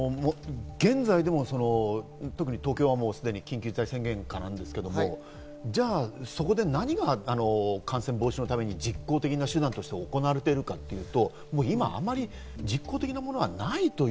現在でも東京はすでに緊急事態宣言下ですけど、じゃあ、そこで何が感染防止のために実効的な手段として行われているかというと今あまり実効的なものはない。